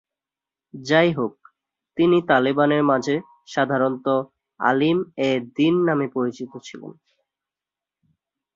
যাইহোক, তিনি তালেবানদের মাঝে সাধারণত "আলিম এ দীন" নামে পরিচিত।